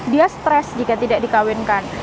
dia stres jika tidak dikawinkan